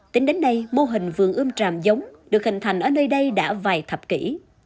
tính đến nay mô hình vườn ươm tràm giống được hình thành ở nơi đây đã vài thập kỷ